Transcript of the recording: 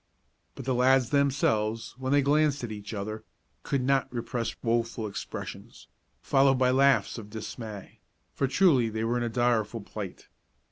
But the lads themselves, when they glanced at each other, could not repress woeful expressions, followed by laughs of dismay, for truly they were in a direful plight.